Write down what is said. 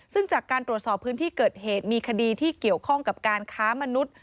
ซึ่งจากการตรวจสอบพื้นที่เกิดเหตุมีคดีที่เกี่ยวข้องกับการค้ามนุษย์